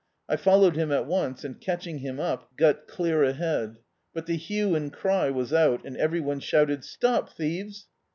I followed him at once, and catching him up, got clear ahead. But the hue and cry was out, and every one shouted, "Stop thieves!"